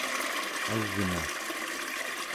au͡gna